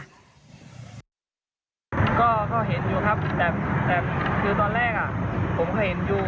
ผมไม่ต้องการหาว่าสร้างภาพอะไรอย่างนี้